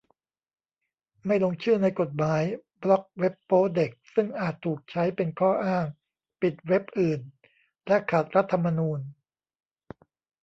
ไม่ลงชื่อในกฎหมายบล็อคเว็บโป๊เด็ก ซึ่งอาจถูกใช้เป็นข้ออ้างปิดเว็บอื่นและขัดรัฐธรรมนูญ